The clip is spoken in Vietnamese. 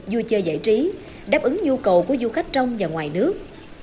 vui chơi giải trí đáp ứng nhu cầu của du khách trong và ngoài nước